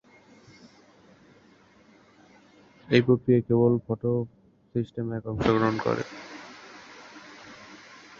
ইসলামি দর্শন ও সংস্কৃতি তার রচনার মূল উপজীব্য।